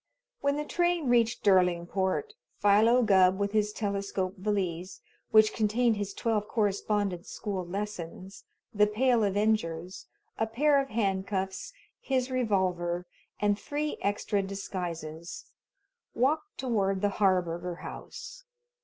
When the train reached Derlingport Philo Gubb, with his telescope valise, which contained his twelve Correspondence School lessons, "The Pale Avengers," a pair of handcuffs, his revolver, and three extra disguises, walked toward the Harburger House.